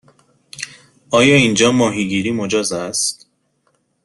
آیا اینجا ماهیگیری مجاز است؟